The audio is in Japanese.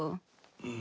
うん。